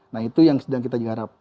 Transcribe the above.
nah itu yang sedang kita harap